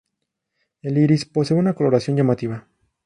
El iris posee una coloración llamativa.